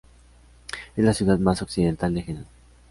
Es la ciudad más occidental de Henan.